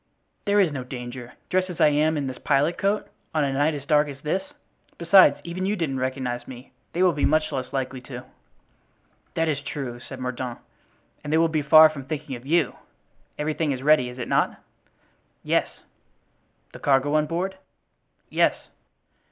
"There is no danger, dressed as I am in this pilot coat, on a night as dark as this. Besides even you didn't recognize me; they will be much less likely to." "That is true," said Mordaunt, "and they will be far from thinking of you. Everything is ready, is it not?" "Yes." "The cargo on board?" "Yes."